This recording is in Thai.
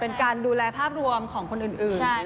เป็นการดูแลภาพรวมของคนอื่น